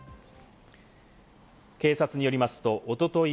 警察によりますとおととい